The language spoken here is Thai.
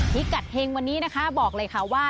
พิกัดเฮงวันนี้นะคะบอกเลยค่ะว่า